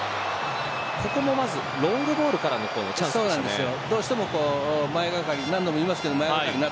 ここもまずロングボールからのチャンスですね。